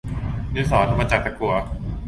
ดินสอทำมาจากตะกั่ว